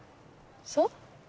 そう？